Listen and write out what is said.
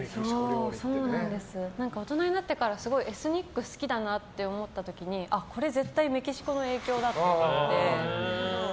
大人になってからすごいエスニックが好きだなって思った時にこれ絶対メキシコの影響だって思って。